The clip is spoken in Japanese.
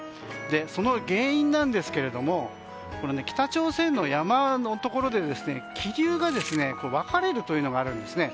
その原因なんですけれども北朝鮮の山のところで気流が分かれるというのがあるんですね。